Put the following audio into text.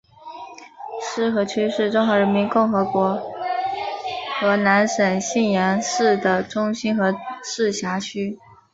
浉河区是中华人民共和国河南省信阳市的中心和市辖区。